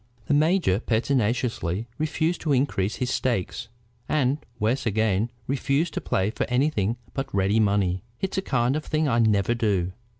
The major pertinaciously refused to increase his stakes, and, worse again, refused to play for anything but ready money. "It's a kind of thing I never do.